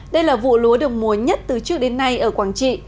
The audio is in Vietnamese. đây là vụ lúa được mùa nhất từ trước đến nay ở quảng trị